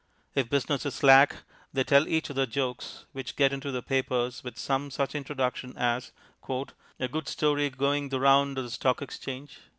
If business is slack, they tell each other jokes, which get into the papers with some such introduction as, "A good story going the round of the Stock Exchange."